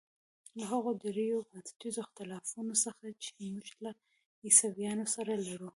له هغو درېیو بنسټیزو اختلافونو څخه چې موږ له عیسویانو سره لرو.